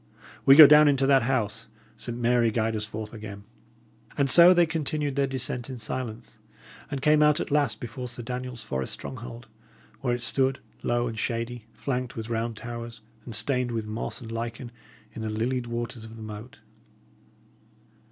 We go down into that house, Saint Mary guide us forth again!" And so they continued their descent in silence, and came out at last before Sir Daniel's forest stronghold, where it stood, low and shady, flanked with round towers and stained with moss and lichen, in the lilied waters of the moat.